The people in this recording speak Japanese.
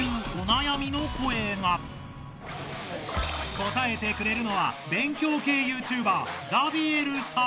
答えてくれるのは勉強系ＹｏｕＴｕｂｅｒザビエルさん。